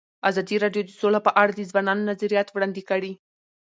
ازادي راډیو د سوله په اړه د ځوانانو نظریات وړاندې کړي.